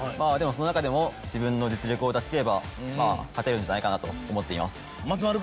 でもその中でも自分の実力を出し切れば勝てるんじゃないかなと思っています。